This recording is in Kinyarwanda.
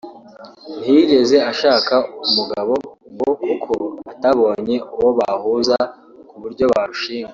ntiyigeze ashaka umugabo ngo kuko atabonye uwo bahuza ku buryo barushinga